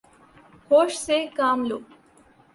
ہوش سے کام لو